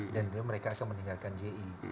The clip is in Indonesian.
dan mereka akan meninggalkan ji